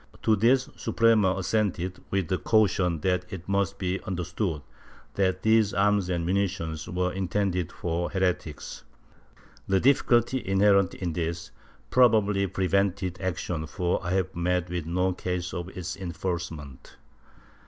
To this the Suprema assented, with the caution that it must be understood that these arms and munitions were intended for heretics.^ The difficulty inherent in this probably prevented action, for I have met with no case of its enforcement.